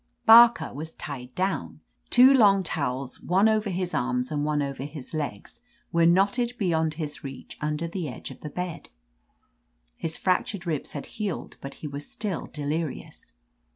Barlcer was tied down. Two long towels, one over his arms and one over his legs, were knotted beyond his reach under the edge of the bed. His fractured ribs had healed, but he was still delirious.